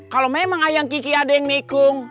kalau memang ayam kiki ada yang nikung